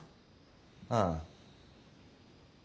ああ。